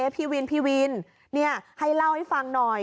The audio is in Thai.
พี่วินให้เล่าให้ฟังหน่อย